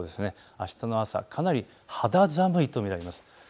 あしたの朝、かなり肌寒いと見られます。